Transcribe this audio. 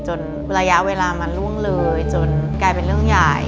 ระยะเวลามันล่วงเลยจนกลายเป็นเรื่องใหญ่